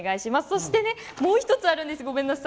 そして、もう１つあるんです。